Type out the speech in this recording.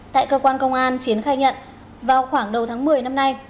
tại cơ quan công an chiến khai nhận vào khoảng đầu tháng một mươi năm nay